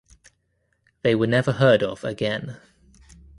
They were never heard of again.